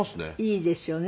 いいですよね